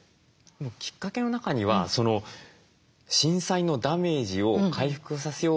きっかけの中には震災のダメージを回復させようとしてとても忙しくなった。